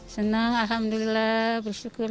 senang alhamdulillah bersyukur